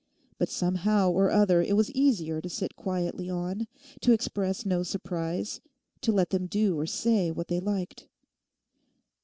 But somehow or other it was easier to sit quietly on, to express no surprise, to let them do or say what they liked.